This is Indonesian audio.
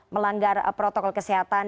melanggar protokol kesehatan